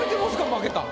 負けたん。